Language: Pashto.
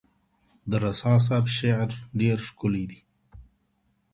د رسا صاحب شعر ډیر ښکلی دی.